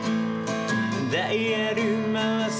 「ダイヤル回す」